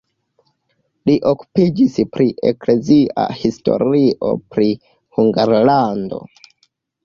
Li okupiĝis pri eklezia historio pri Hungarlando.